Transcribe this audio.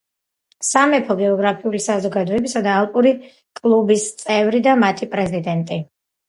სამეფო გეოგრაფიული საზოგადოებისა და ალპური კლუბის წევრი და მათი პრეზიდენტი.